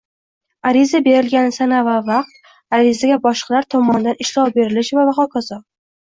ariza berilgan sana va vaqt, arizaga boshqalar tomonidan ishlov berilishi va hokazo.